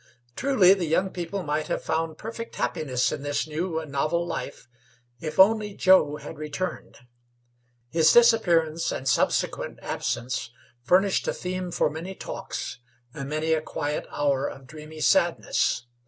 Truly, the young people might have found perfect happiness in this new and novel life, if only Joe had returned. His disappearance and subsequent absence furnished a theme for many talks and many a quiet hour of dreamy sadness.